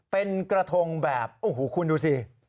เป็นกระทงแบบโอ้โหคุณดูสิ